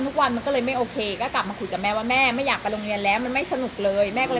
มันก็เลยไม่โอเคก็กลับมาคุยกับแม่